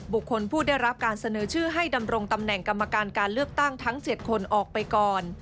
บุคคลผู้ได้รับการเสนอชื่อให้ดำรงตำแหน่งกรรมการการเลือกตั้งทั้ง๗คนออกไปก่อน